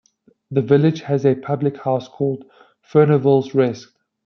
The village has a public house called 'Fernaville's Rest'.